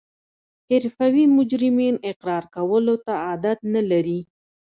حرفوي مجرمین اقرار کولو ته عادت نلري